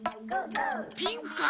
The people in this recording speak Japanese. ピンクか？